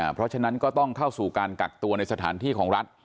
เพราะฉะนั้นก็ต้องเข้าสู่การกักตัวในสถานที่ของรัฐ